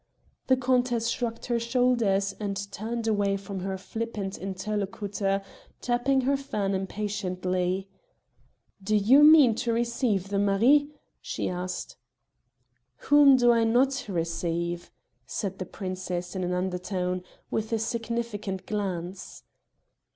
The countess shrugged her shoulders and turned away from her flippant interlocutor, tapping her fan impatiently. "Do you mean to receive them Marie?" she asked. "Whom do I not receive?" said the princess in an undertone, with a significant glance.